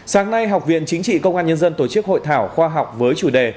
sáng nay học viện chính trị công an nhân dân tổ chức hội thảo khoa học với chủ đề